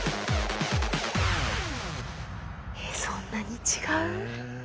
そんなに違う？